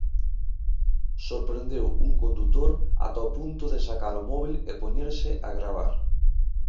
Sorprendeu un condutor ata o punto de sacar o móbil e poñerse a gravar.